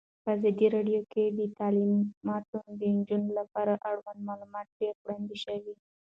په ازادي راډیو کې د تعلیمات د نجونو لپاره اړوند معلومات ډېر وړاندې شوي.